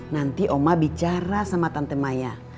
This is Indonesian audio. nanti oma bicara sama tante maya